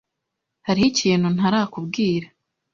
Hariho ikintu ntarakubwira.